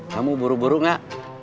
kamu buru buru gak